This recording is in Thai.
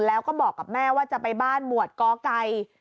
แล้วก็บอกกับแม่ว่าจะไปบ้านหมวดกไก่